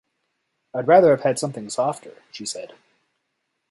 “I’d rather have had something softer,” she said.